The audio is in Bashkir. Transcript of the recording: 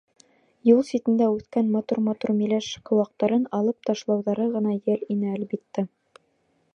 Юл ситендә үҫкән матур-матур миләш ҡыуаҡтарын алып ташлауҙары ғына йәл ине, әлбиттә.